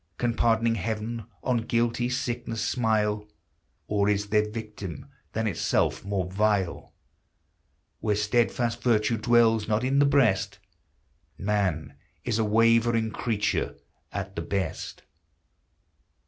Can pardoning Heaven on guilty sickness smile? Or is there victim than itself more vile? Where steadfast virtue dwells not in the breast, Man is a wavering creature at the best